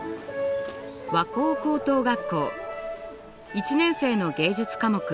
１年生の芸術科目